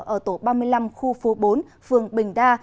ở tổ ba mươi năm khu phố bốn phường bình đa